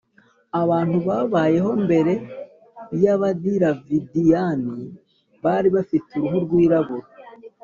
abantu babayeho mbere y’abadiravidiyani [bari bafite uruhu rwirabura].